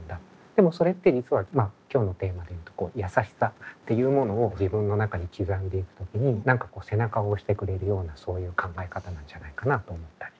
でもそれって実はまあ今日のテーマで言うと「やさしさ」っていうものを自分の中に刻んでいく時に何か背中を押してくれるようなそういう考え方なんじゃないかなと思ったり。